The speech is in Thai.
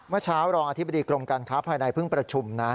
เมื่อเช้ารองอธิบดีกรมการค้าภายในเพิ่งประชุมนะ